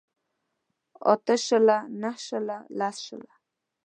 اته شله نهه شله لس شله